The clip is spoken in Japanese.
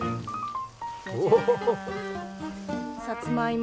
さつまいも！